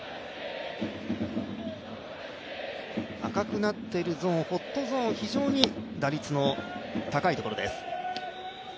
赤くなっているホットゾーンは打率の高いところです。